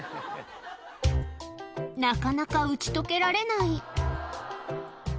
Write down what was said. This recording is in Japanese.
なかなか打ち解けられない。